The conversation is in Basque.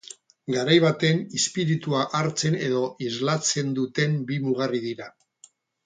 Garai baten izpiritua hartzen edo islatzen duten bi mugarri dira.